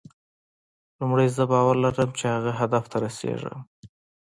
لومړی زه باور لرم چې هغه هدف ته رسېږم.